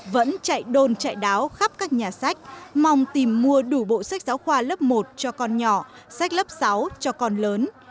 vẫn chạy đôn chạy đáo khắp các nhà sách mong tìm mua đủ bộ sách giáo khoa lớp một cho con nhỏ sách lớp sáu cho con lớn